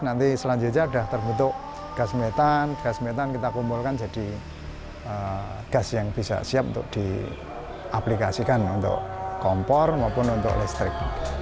nanti selanjutnya sudah terbentuk gas metan gas metan kita kumpulkan jadi gas yang bisa siap untuk diaplikasikan untuk kompor maupun untuk listrik